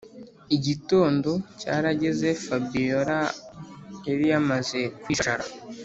igitondo cyarageze fabiora yari yamaze kwijajara